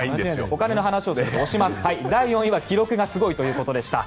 第４位は記録がすごいということでした。